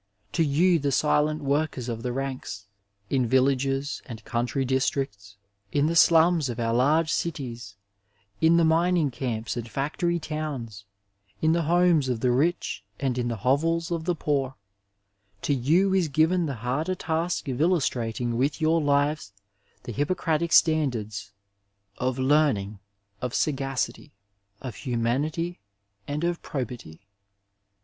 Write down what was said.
To you the silent workers of the ranks, in villages and country districts, in the slums of our laige cities, in the mining camps and factory towns, in the homes of the rich, and in the hovels of the poor, to you is given the harder task of illustrating with your lives the Hippocratic standards of Learning, of Sagacity, of Humanity, and of Probity.